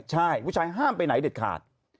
ใช่ผู้ชายห้ามไปไหนเด็ดขาด